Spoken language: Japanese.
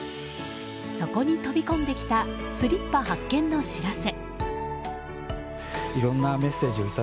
そこに飛び込んできたスリッパ発見の知らせ。